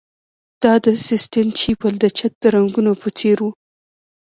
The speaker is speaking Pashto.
دا د سیسټین چیپل د چت د رنګولو په څیر و